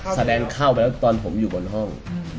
แสดงเข้าไปแล้วตอนผมอยู่บนห้อง